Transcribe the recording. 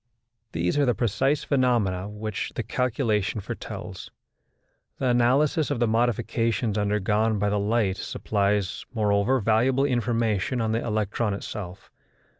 These are the precise phenomena which the calculation foretells: the analysis of the modifications undergone by the light supplies, moreover, valuable information on the electron itself.